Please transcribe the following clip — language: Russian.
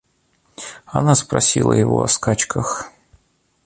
Она спросила его о скачках.